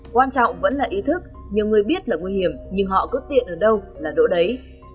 quan trọng vẫn là ý thức nhiều người biết là nguy hiểm nhưng họ cứ tiện ở đâu là đỗ đấy